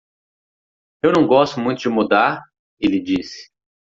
"Eu não gosto muito de mudar?" ele disse.